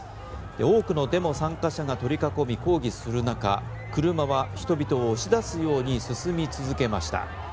多くのデモ参加者が取り囲み抗議する中車は人々を押し出すように進み続けました。